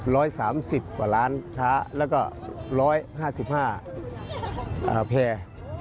๑๓๐ล้านหลายค้าและก็๑๕๕แพร่